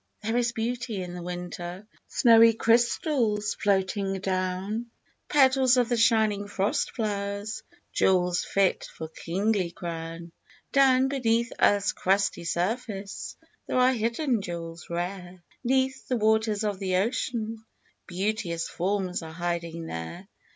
There is beauty in the winter, Snowy crystals floating down, Petals of the .shining frost flowers, Jewels fit for kingly crown. Down beneath earth's crusty surface There are hidden jewels rare, 'Neath the waters of the ocean, Beauteous forms are hiding there.